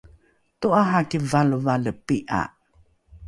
to’araki valevale pi’a